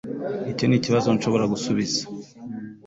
icyo nikibazo nshobora gusubiza